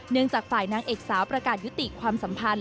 จากฝ่ายนางเอกสาวประกาศยุติความสัมพันธ์